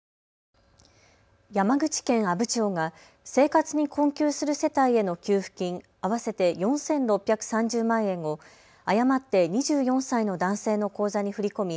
山口県阿武町が生活に困窮する世帯への給付金合わせて４６３０万円を誤って２４歳の男性の口座に振り込み